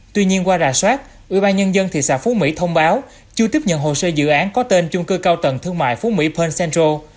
tuy nhiên qua rà soát ủy ban nhân dân thị xã phú mỹ thông báo chưa tiếp nhận hồ sơ dự án có tên chung cư cao tầng thương mại phú mỹ pearl central